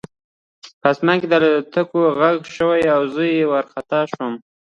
په آسمان کې د الوتکو غږ شو او زه وارخطا شوم